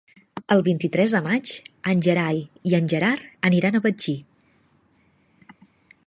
El vint-i-tres de maig en Gerai i en Gerard aniran a Betxí.